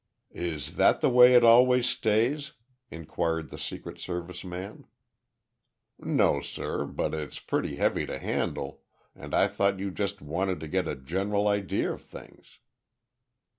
"Is that the way it always stays?" inquired the Secret Service man. "No, sir, but it's pretty heavy to handle, and I thought you just wanted to get a general idea of things."